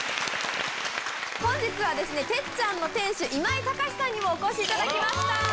本日はてっちゃんの店主今井孝志さんにもお越しいただきました。